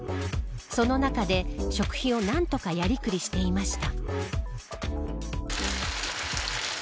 その中で食費を何とかやりくりしていました。